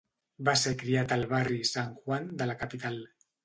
Va ser criat al barri San Juan de la capital.